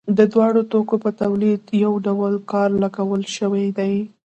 د دواړو توکو په تولید یو ډول کار لګول شوی دی